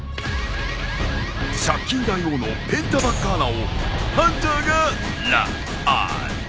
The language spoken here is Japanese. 借金大王のペンタバッカーナをハンターがロックオン。